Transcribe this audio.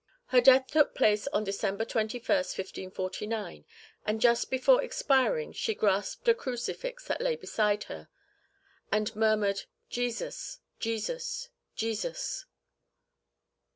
Her death took place on December 21st, 1549, and just before expiring she grasped a crucifix that lay beside her and murmured, "Jesus, Jesus, Jesus."